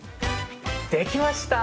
できました！